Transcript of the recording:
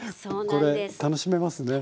これ楽しめますね。